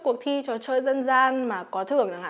cuộc thi trò chơi dân gian mà có thưởng